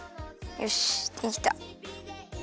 よしできた。